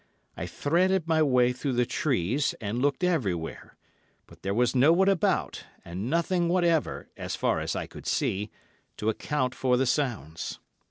I threaded my way through the trees, and looked everywhere, but there was no one about and nothing whatever, as far as I could see, to account for the sounds.